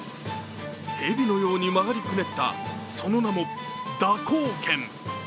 蛇のように曲がりくねったその名も蛇行剣。